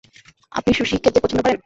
আপনি সুশি খেতে পছন্দ করেন?